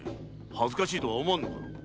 恥ずかしいとは思わんのか？